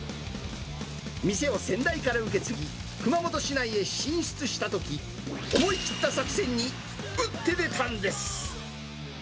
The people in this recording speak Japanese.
店を先代から受け継ぎ、熊本市内へ進出したとき、思い切った作戦に打って出たんです。